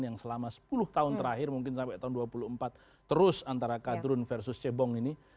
yang selama sepuluh tahun terakhir mungkin sampai tahun dua puluh empat terus antara kadrun versus cebong ini